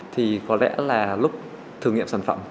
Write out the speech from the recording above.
thì có lẽ là lúc thử nghiệm sản phẩm